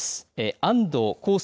安藤耕介